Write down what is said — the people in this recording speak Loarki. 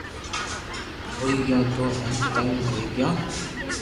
ھوئيي گيو تو ھين تنگ ھوئي گيو